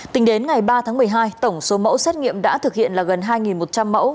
tính đến ngày ba tháng một mươi hai tổng số mẫu xét nghiệm đã thực hiện là gần hai một trăm linh mẫu